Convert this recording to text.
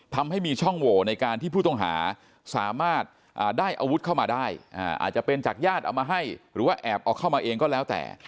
ทำให้มีช่องโหวในการที่ผู้ต้องหาสามารถได้อาวุธเข้ามาได้อาจจะเป็นจากญาติเอามาให้หรือว่าแอบเอาเข้ามาเองก็แล้วแต่